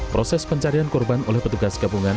proses pencarian korban oleh petugas gabungan